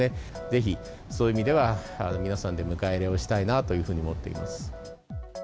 ぜひ、そういう意味では、皆さんで迎え入れをしたいなというふうに思っています。